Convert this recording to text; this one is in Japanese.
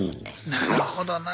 なるほどな。